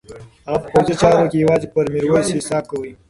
هغه په پوځي چارو کې یوازې پر میرویس حساب کاوه.